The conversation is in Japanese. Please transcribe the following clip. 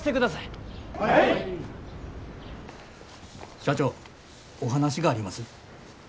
社長お話があります。